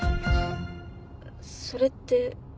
それって。